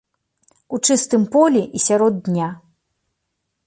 У чыстым полі і сярод дня.